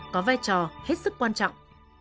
có vai trò hết sức quan trọng